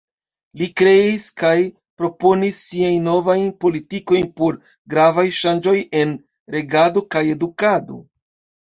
Li kreis kaj proponis siajn Novajn Politikojn por gravaj ŝanĝoj en regado kaj edukado.